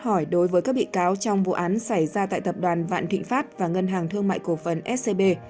hỏi đối với các bị cáo trong vụ án xảy ra tại tập đoàn vạn thịnh pháp và ngân hàng thương mại cổ phần scb